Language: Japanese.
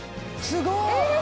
すごい！